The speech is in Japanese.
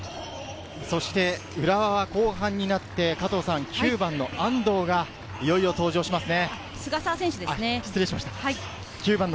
浦和は後半になって９番・安藤がいよいよ登場しますね。